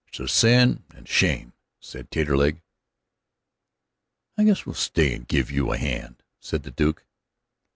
"It's a sin and a shame!" said Taterleg. "I guess we'll stay and give you a hand," said the Duke.